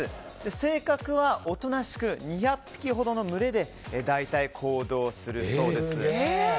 性格はおとなしく２００匹ほどの群れで大体、行動するそうです。